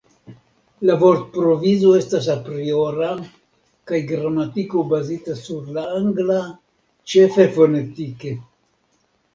La vortprovizo estas apriora kaj gramatiko bazita sur la angla, ĉefe fonetike.